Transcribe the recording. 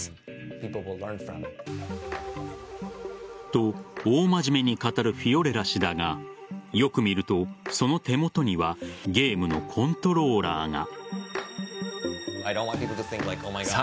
と、大真面目に語るフィオレラ氏だがよく見るとその手元にはゲームのコントローラーが。